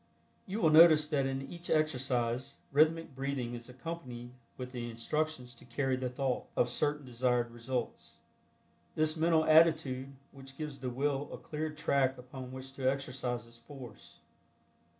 You will notice that in each exercise rhythmic breathing is accompanied with the instructions to "carry the thought" of certain desired results. This mental attitude gives the Will a cleared track upon which to exercise its force.